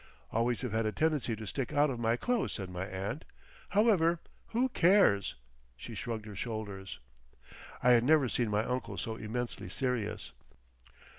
"Always have had a tendency to stick out of my clothes," said my aunt. "However—Who cares?" She shrugged her shoulders. I had never seen my uncle so immensely serious.